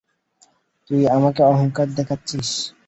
তুই আমাকে অহংকার দেখাচ্ছিস?